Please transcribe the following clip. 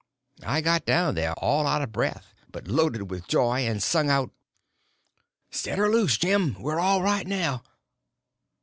I got down there all out of breath but loaded up with joy, and sung out: "Set her loose, Jim! we're all right now!"